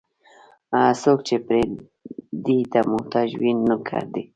څوک چې پردي ته محتاج وي، نوکر دی.